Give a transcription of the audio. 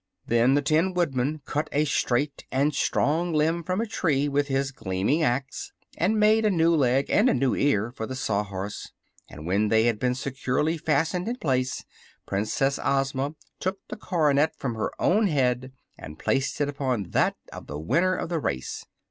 Then the Tin Woodman cut a straight and strong limb from a tree with his gleaming axe and made a new leg and a new ear for the Sawhorse; and when they had been securely fastened in place Princess Ozma took the coronet from her own head and placed it upon that of the winner of the race.